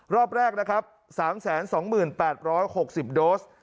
รอบแรกนะครับ๓๒๘๖๐โดส